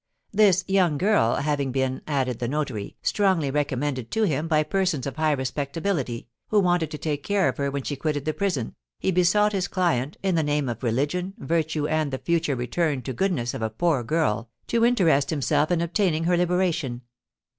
This young girl having been (added the notary) strongly recommended to him by persons of high respectability, who wanted to take care of her when she quitted the prison, he besought his client, in the name of religion, virtue, and the future return to goodness of the poor girl, to interest himself in obtaining her liberation.